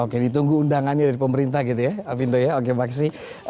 oke ditunggu undangannya dari pemerintah gitu ya apindo ya oke maksi